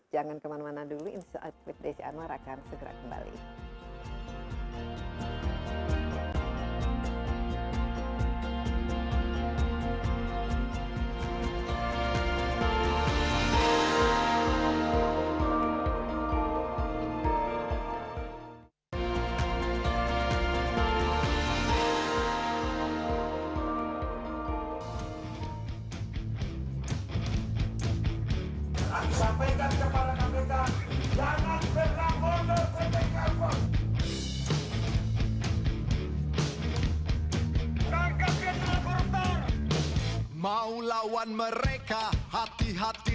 jangan kemana mana dulu insya allah desi anwar akan segera kembali